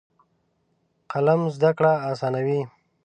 قلم زده کړه اسانوي.